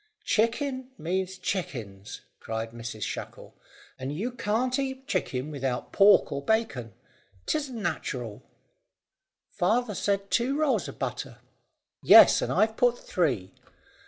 "Chicken means chickens," cried Mrs Shackle, "and you can't eat chicken without pork or bacon. 'Tisn't natural." "Father said two rolls of butter." "Yes, and I've put three.